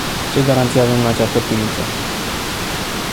Ce garanții avem în această privință?